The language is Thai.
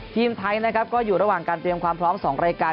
ทีมไทยนะครับก็อยู่ระหว่างการเตรียมความพร้อม๒รายการ